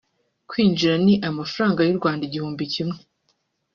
kwinjira ni amafaranga y’u Rwanda igihumbi kimwe